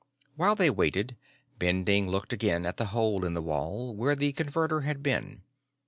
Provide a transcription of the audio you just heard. While they waited, Bending looked again at the hole in the wall where the Converter had been.